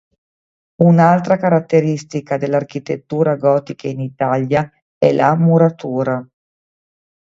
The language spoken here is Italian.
Un'altra caratteristica dell'architettura gotica in Italia è la muratura.